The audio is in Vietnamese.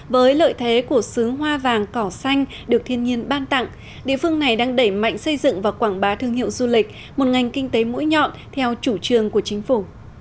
với lợi thế của xứ hoa vàng cỏ xanh được thiên nhiên ban tặng địa phương này đang đẩy mạnh xây dựng và quảng bá thương hiệu du lịch một ngành kinh tế mũi nhọn theo chủ trương của chính phủ